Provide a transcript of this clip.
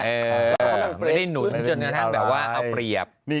เออไม่ได้หนุนแบบว่าเอาเปรียบขึ้นกันเท่าไร